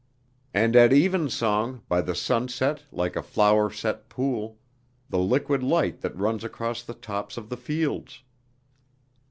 "And at evensong, by the sunset like a flowerset pool, the liquid light that runs across the tops of the fields...."